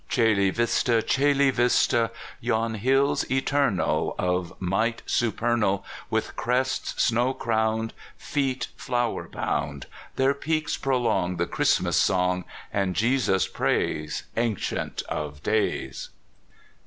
Coela Vista! Coela Vista! Yon hills eternal, Of might supernal, With crests snow crowned, Feet flower bound — Their peaks prolong The Christmas song, And Jesus praise. Ancient of Days.